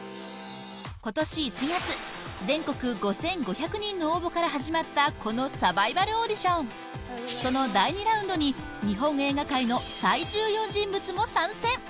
今年１月全国５５００人の応募から始まったこのサバイバルオーディションその第２ラウンドに日本映画界の最重要人物も参戦